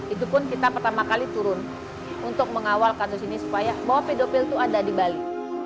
itu pun kita pertama kali turun untuk mengawal kasus ini supaya bahwa pedofil itu ada di bali